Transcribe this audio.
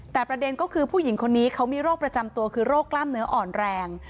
แต่ประเด็นก็คือผู้หญิงคนนี้เขามีโรคประจำตัวคือโรคกล้ามเนื้ออ่อนแรง